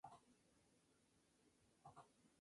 En el interior contiene un altar de madera y pan de oro.